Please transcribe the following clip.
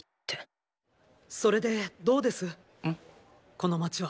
この街は？